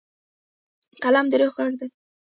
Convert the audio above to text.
قلم د روح غږ دی.